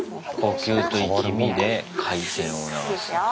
呼吸といきみで回転を促すのか。